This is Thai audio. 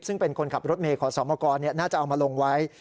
ซึ่งเป็นคนขับรถเมย์ขอสมกรน่าจะเอามาลงไว้